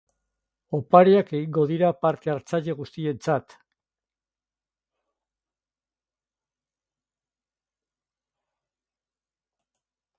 Opariak egongo dira parte hartzaile guztientzat.